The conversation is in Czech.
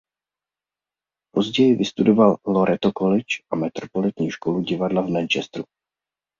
Později vystudoval Loreto College a Metropolitní školu divadla v Manchesteru.